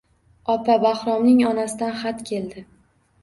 Opa, Bahromning onasidan xat keldi